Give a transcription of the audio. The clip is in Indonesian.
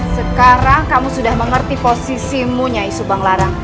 sekarang kamu sudah mengerti posisimu nyai subang larang